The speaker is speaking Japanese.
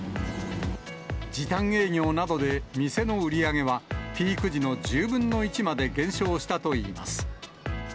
時短営業などで店の売り上げは、ピーク時の１０分の１にまで減少したといいます。